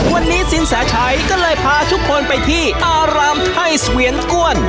วันนี้สินแสชัยก็เลยพาทุกคนไปที่อารามไทยเสวียนก้วน